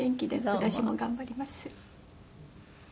私も頑張ります。